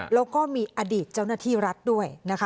แล้วก็มีอดีตเจ้าหน้าที่รัฐด้วยนะคะ